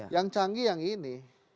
yang canggih yang ini